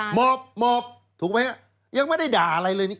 หมอบหมอบถูกไหมฮะยังไม่ได้ด่าอะไรเลยนี่